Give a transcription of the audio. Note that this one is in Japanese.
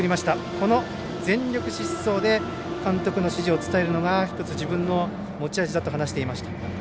この全力疾走で監督の指示を伝えるのが１つ、自分の持ち味だと話していました。